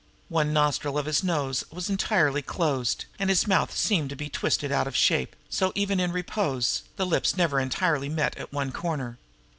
One nostril of his nose was entirely closed; and his mouth seemed to be twisted out of shape, so that, even when in repose, the lips never entirely met at one corner.